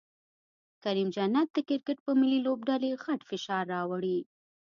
کریم جنت د کرکټ په ملي لوبډلې غټ فشار راوړي